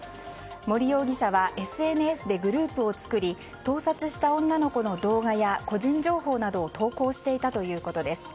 森容疑者はＳＮＳでグループを作り盗撮した女の子の動画や個人情報などを投稿していたということです。